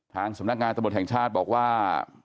ทางสำนักงานตำรวจแห่งชาติบอกว่า